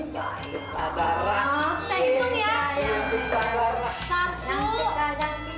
tapi kok gak ada yang jadi bintang hatiku